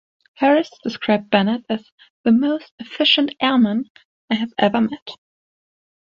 Harris described Bennett as "the most efficient airman I have ever met".